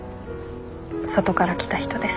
外から来た人です。